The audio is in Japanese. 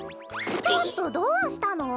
ちょっとどうしたの？